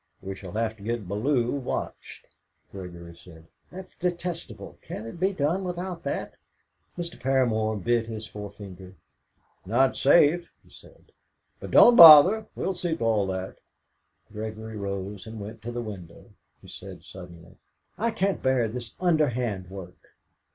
We shall have to get Bellew watched." Gregory said: "That's detestable. Can't it be done without that?" Mr. Paramor bit his forefinger. "Not safe," he said. "But don't bother; we'll see to all that." Gregory rose and went to the window. He said suddenly: "I can't bear this underhand work."